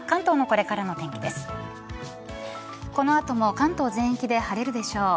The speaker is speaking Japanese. この後も関東全域で晴れるでしょう。